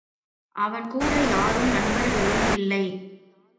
அவன் கூட யாரும் நண்பர்களும் இல்லை.